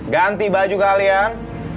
ganti baju kalian